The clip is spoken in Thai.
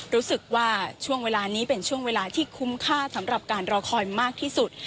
รู้สึกว่าช่วงเวลานี้เป็นช่วงเวลาที่คุ้มค่าสำหรับการรอคอยมากที่สุด